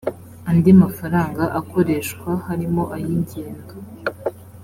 andi mafaranga akoreshwa harimo ay ingendo